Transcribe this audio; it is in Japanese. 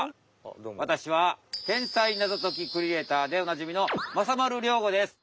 わたしは天才謎ときクリエイターでおなじみのまさ丸亮吾です。